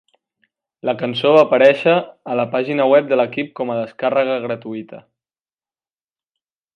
La cançó va aparèixer a la pàgina web de l'equip com a descàrrega gratuïta.